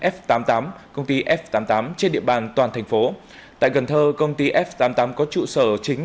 f tám mươi tám công ty f tám mươi tám trên địa bàn toàn thành phố tại cần thơ công ty f tám mươi tám có trụ sở chính